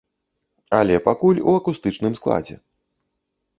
Але пакуль у акустычным складзе.